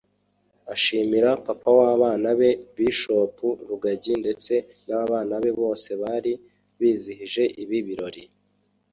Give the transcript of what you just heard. ashimira papa w’abana be Bishop Rugagi ndetse n’abana be bose bari bizihije ibi birori